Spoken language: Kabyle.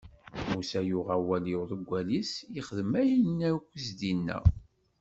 Musa yuɣ awal i uḍeggal-is, ixdem ayen akk i s-d-inna.